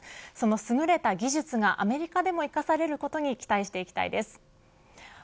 その優れた技術がアメリカでも生かされることに期待していきたいです。